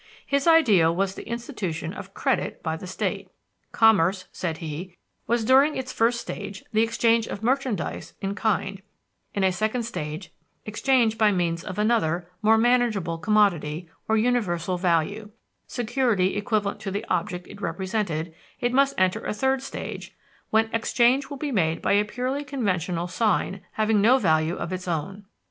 His ideal was the institution of credit by the state. Commerce, said he, was during its first stage the exchange of merchandise in kind; in a second stage, exchange by means of another, more manageable, commodity or universal value, security equivalent to the object it represented; it must enter a third stage when exchange will be made by a purely conventional sign having no value of its own.